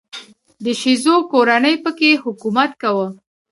د شیزو کورنۍ په کې حکومت کاوه.